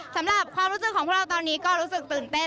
สำหรับความรู้สึกของพวกเราตอนนี้ก็รู้สึกตื่นเต้น